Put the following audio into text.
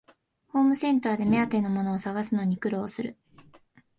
ホームセンターで目当てのものを探すのに苦労する